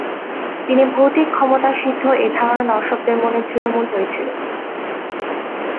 তিনি ভৌতিক ক্ষমতা সিদ্ধ এই ধারণা দর্শকদের মনে দৃঢ়মূল হয়েছিল।